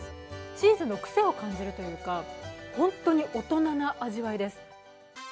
チーズのクセを感じるというか、ホントに大人な味わいです。